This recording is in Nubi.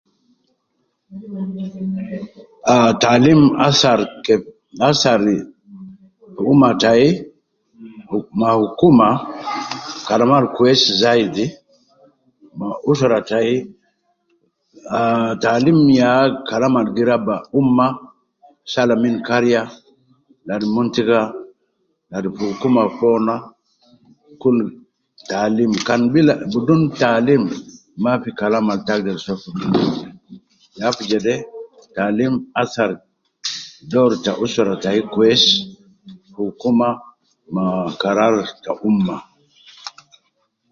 Ah taalim asar ke asari to fi umma tai ma hukuma kalama al kwesi zaidi ma usra tai ah taalim ya Kalam al gi raba umma sala min kariya ladi mon tiga ladi fi hukuma fo na gi kun taalim kan bila taalim Mafi Kalam al te agder soo fogo ya fi jede taalim athar doru ta usra tai kwesi fi hukuma ma karar ta umma